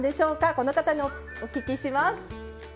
この方にお聞きします。